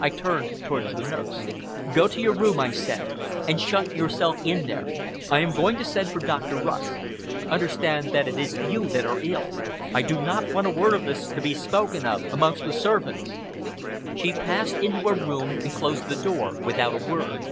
I turned towards the nurse. "Go to your room," I said, "and shut yourself in there. I am going to send for Dr. Rust. Understand it is you that are ill. I do not want a word of this to be spoken of amongst the servants." She passed into her room and closed the door without a word.